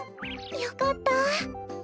よかった。